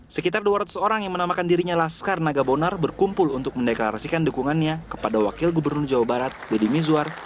sekitar dua ratus orang yang menamakan dirinya laskar nagabonar berkumpul untuk mendeklarasikan dukungannya kepada wakil gubernur jawa barat deddy mizwar